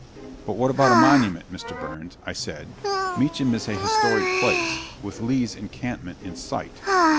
"But what about a monument, Mr. Burns?" I said. "Meacham is a historic place, with Lee's encampment in sight."